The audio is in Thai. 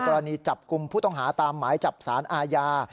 กรณีจับกลุ่มผู้ต้องหาตามหมายจับสารอาญา